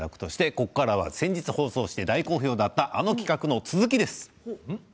ここから先日放送して大好評だったあの企画の続きです。